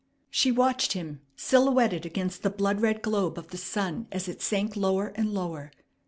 She watched him silhouetted against the blood red globe of the sun as it sank lower and lower.